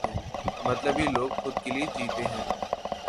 مطلبی لوگ خود کے لئے جیتے ہیں۔